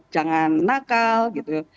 jangan nakal gitu ya